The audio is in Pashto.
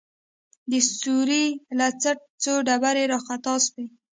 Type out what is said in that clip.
د سوړې له چته څو ډبرې راخطا سوې.